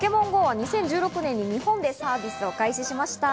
２０１６年に日本でサービスを開始しました。